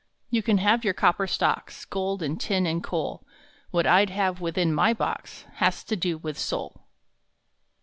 You can have your Copper Stocks, Gold and tin and coal What I d have within my box Has to do with Soul.